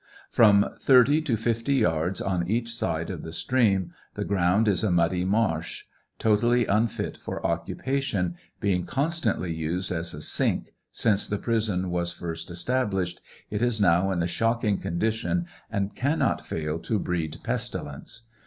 »»»» From 30 to 50 yards on each side of the stream the ground is a muddy marsh, totally untib for occupation ; being constantly used as a sink since the prison was first established, it is now in a shocking condition and cannot fail to breed pestilence.